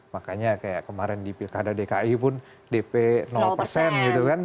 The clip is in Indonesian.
makanya kayak kemarin di pilkada dki pun dp persen gitu kan